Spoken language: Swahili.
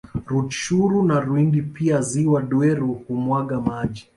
Rutshuru na Rwindi Pia ziwa Dweru humwaga maji